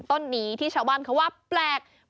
ต้นนี้ที่ชาวบ้านเขาว่าแปลก